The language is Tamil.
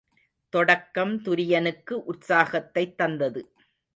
தொடக்கம் துரியனுக்கு உற்சாகத்தைத் தந்தது.